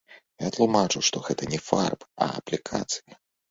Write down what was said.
Я тлумачу, што гэта не фарбы, а аплікацыі.